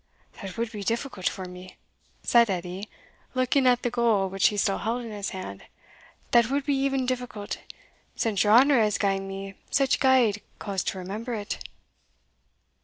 "That would be difficult for me," said Edie, looking at the gold which he still held in his hand, "that would be e'en difficult, since your honour has gien me such gade cause to remember it."